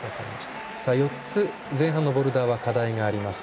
４つ、前半のボルダーは課題があります。